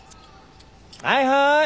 はいはーい。